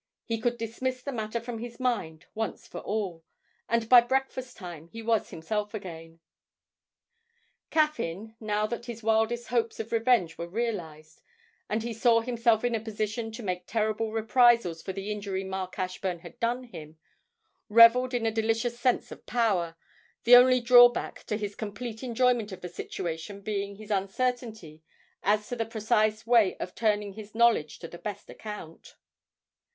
He could dismiss the matter from his mind once for all, and by breakfast time he was himself again. Caffyn, now that his wildest hopes of revenge were realised, and he saw himself in a position to make terrible reprisals for the injury Mark Ashburn had done him, revelled in a delicious sense of power, the only drawback to his complete enjoyment of the situation being his uncertainty as to the precise way of turning his knowledge to the best account.